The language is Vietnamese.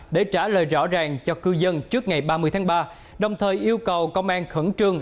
để trả lời rõ ràng cho cư dân trước ngày ba mươi tháng ba đồng thời yêu cầu công an khẩn trương